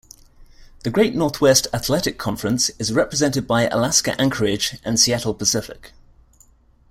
The Great Northwest Athletic Conference is represented by Alaska-Anchorage and Seattle Pacific.